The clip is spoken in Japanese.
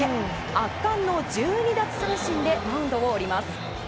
圧巻の１２奪三振でマウンドを降ります。